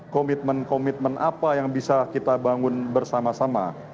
komitmen komitmen apa yang bisa kita bangun bersama sama